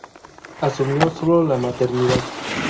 Asumió sola la maternidad.